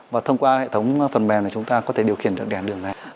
và thông qua hệ thống phần mềm này chúng ta có thể điều khiển được đèn đường này